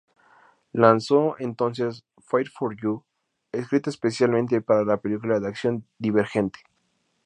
Lanzó entonces "Fight For You", escrita especialmente para la película de acción "Divergente".